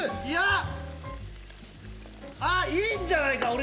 いや！あっいいんじゃないか？